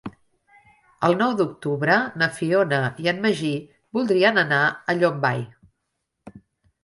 El nou d'octubre na Fiona i en Magí voldrien anar a Llombai.